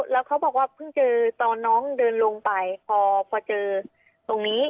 แล้วเขาบอกว่าเพิ่งเจอตอนน้องเดินลงไปพอเจอตรงนี้